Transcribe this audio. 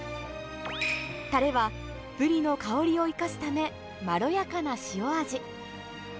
たれはブリの香りを生かすため、まろやかな塩味。